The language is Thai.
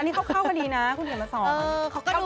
อันนี้เข้าก็ดีนะคุณเห็นมาสอน